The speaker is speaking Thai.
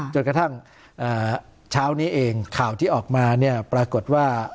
จนกระทั่งเช้านี้เองข่าวที่ออกมาเนี่ยปรากฏว่า